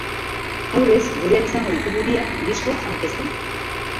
Aurrez gurean izango ditugu biak diskoa aurkezten.